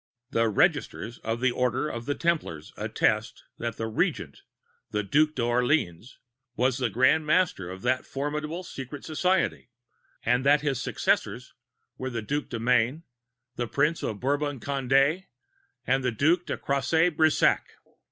The registers of the Order of Templars attest that the Regent, the Duc d' Orleans, was Grand Master of that formidable Secret Society, and that his successors were the Duc de Maine, the Prince of Bourbon Cond├®, and the Duc de Coss├® Brissac.